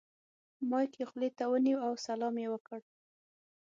مایک یې خولې ته ونیو او سلام یې وکړ.